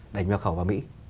đẩy nhập khẩu vào mỹ